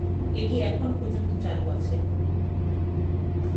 এটি এখন পর্যন্ত চালু আছে।